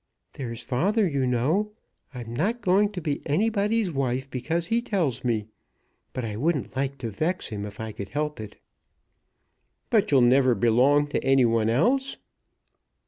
"There's father, you know. I'm not going to be anybody's wife because he tells me; but I wouldn't like to vex him, if we could help it." "But you'll never belong to any one else?"